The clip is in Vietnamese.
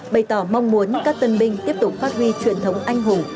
bày tỏ mong muốn các tân binh tiếp tục phát huy truyền thống anh hùng